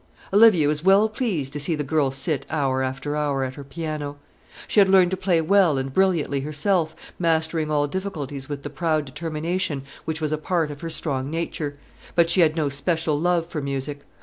Olivia was well pleased to see the girl sit hour after hour at her piano. She had learned to play well and brilliantly herself, mastering all difficulties with the proud determination which was a part of her strong nature; but she had no special love for music.